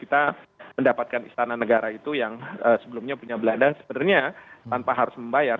kita mendapatkan istana negara itu yang sebelumnya punya belanda sebenarnya tanpa harus membayar